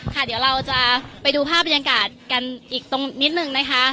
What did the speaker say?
เดี๋ยวเราจะไปดูภาพบรรยากาศกันอีกตรงนิดนึงนะคะ